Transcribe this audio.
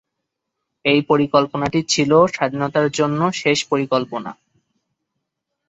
এই পরিকল্পনাটি ছিল স্বাধীনতার জন্য শেষ পরিকল্পনা।